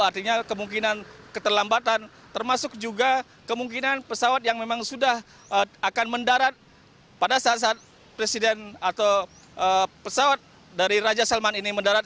artinya kemungkinan keterlambatan termasuk juga kemungkinan pesawat yang memang sudah akan mendarat pada saat saat presiden atau pesawat dari raja salman ini mendarat